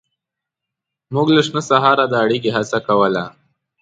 موږ له شنه سهاره د اړیکې هڅه کوله.